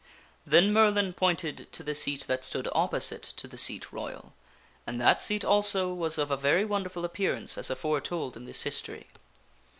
Then Merlin pointed to the seat that stood opposite to the Seat Royal, and that seat also was of a very wonderful appearance as afore told in this history.